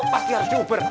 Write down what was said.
pasti harus diuber